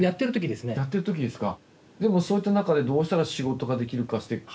やってるときですか。